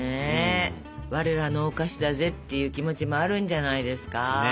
「我らのお菓子だぜ」っていう気持ちもあるんじゃないですか？